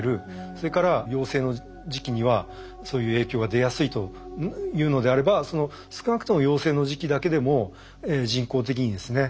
それから幼生の時期にはそういう影響が出やすいというのであれば少なくとも幼生の時期だけでも人工的にですね